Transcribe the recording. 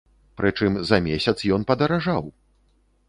Прычым за месяц ён падаражаў!